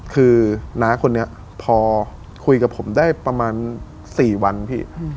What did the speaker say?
คือน้าคนนี้พอคุยกับผมได้ประมาณ๔วันพี่